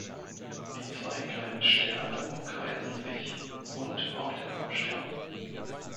Die zwei kleinen Sterne umkreisen sich und auch den Hauptstern.